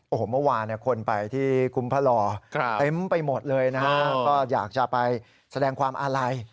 โอ้โหเมื่อวานคนไปที่คุมพระหล่อเต็มไปหมดเลยนะฮะก็อยากจะไปแสดงความอาลัย